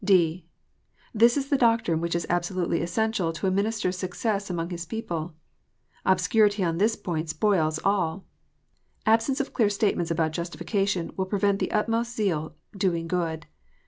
(d) This is the doctrine which is absolutely essential to a minister s success among his people. Obscurity on this point spoils all. Absence of clear statements about justification will prevent the utmost zeal doing good.